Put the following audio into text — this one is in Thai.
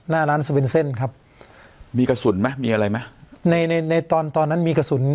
หน้าร้านครับมีกระสุนมั้ยมีอะไรมั้ยในในในตอนตอนนั้นมีกระสุน